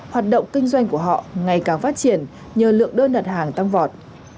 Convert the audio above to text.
hoạt động kinh doanh của họ ngày càng phát triển nhờ lượng đơn đặt hàng tăng vọt